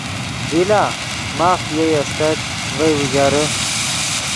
دی لا ماف پے یئے استت ڤئے اوژرے